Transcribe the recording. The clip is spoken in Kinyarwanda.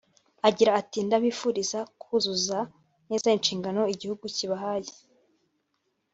Agira ati “Ndabifuriza kuzuzuza neza inshingano igihugu kibahaye